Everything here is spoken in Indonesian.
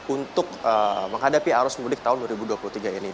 untuk menghadapi arus mudik tahun dua ribu dua puluh tiga ini